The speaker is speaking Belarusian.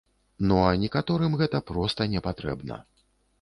Ну, а некаторым гэта проста не патрэбна.